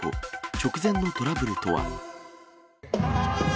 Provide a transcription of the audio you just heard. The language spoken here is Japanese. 直前のトラブルとは？